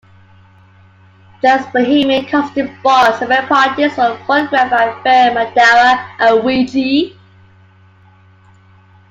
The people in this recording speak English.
Joans' bohemian costume balls and rent parties were photographed by Fred McDarrah and Weegee.